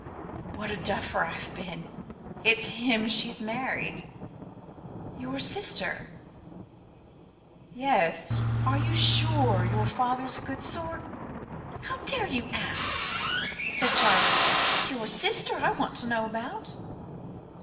"What a duffer I've been! It's him she's married." "Your sister?" "Yes. Are you sure your father's a good sort?" "How dare you ask!" said Charling. "It's your sister I want to know about."